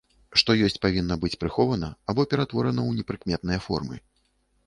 Што ёсць, павінна быць прыхована або ператворана ў непрыкметныя формы.